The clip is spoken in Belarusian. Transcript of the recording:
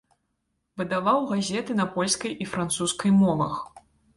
Выдаваў газеты на польскай і французскай мовах.